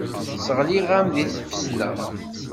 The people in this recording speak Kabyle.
Sseɣliɣ-am deg tfesna.